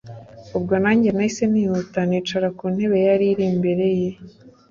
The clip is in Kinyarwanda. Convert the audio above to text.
ubwo nanjye nahise nihuta nicara kuntebe yari imbere ye